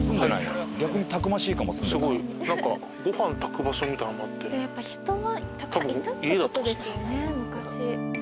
すごい何かごはん炊く場所みたいなのがあって多分家だったんですね。